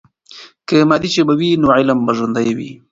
که مادي ژبه وي، نو علم به ژوندۍ وي.